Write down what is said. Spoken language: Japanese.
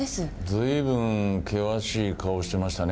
随分険しい顔してましたね